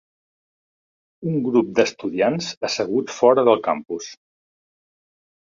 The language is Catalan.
Un grup d"estudiants asseguts fora del campus.